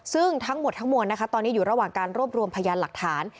ซึ่งทั้งหมดทั้งมวลนะคะตอนนี้อยู่ระหว่างการรวบรวมพยานหลักฐาน